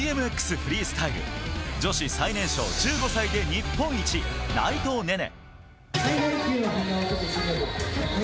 フリースタイル女子最年少１５歳で日本一内藤寧々。